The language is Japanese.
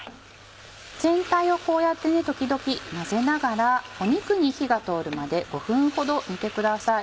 全体をこうやって時々混ぜながら肉に火が通るまで５分ほど煮てください。